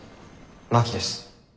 真木です。